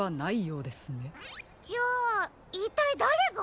じゃあいったいだれが？